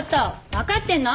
分かってんの！？